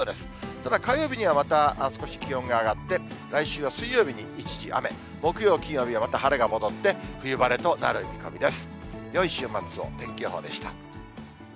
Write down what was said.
ただ、火曜日にはまた少し気温が上がって、来週は水曜日に一時雨、木曜、金曜日はまた晴れが戻って、冬晴れとなる見込みです。